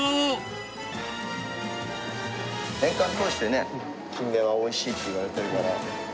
年間通してキンメはおいしいと言われてるから。